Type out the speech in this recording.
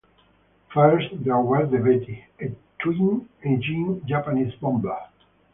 First there was the Betty, a twin-engined Japanese bomber.